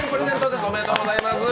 おめでとうございます。